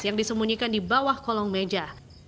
yang disembunyikan di bawah kolong meja